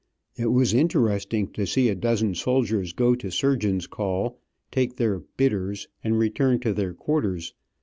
It was interesting to see a dozen soldiers go to surgeon's call, take their "bitters," and return to their quarters.